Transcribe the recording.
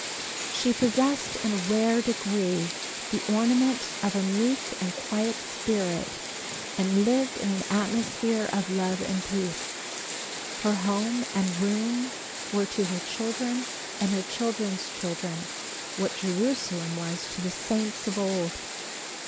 She possessed in a rare degree the ornament of a meek and quiet spirit and lived in an atmosphere of love and peace. Her home and room were to her children and her children's children what Jerusalem was to the saints of old.